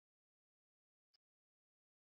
kuendelea kupiga kampeni maana tunalojukumu